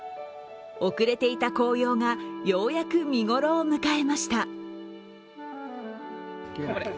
遅れていた紅葉がようやく見ごろを迎えました。